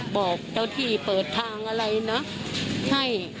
บอกเจ้าที่เปิดทางอะไรนะให้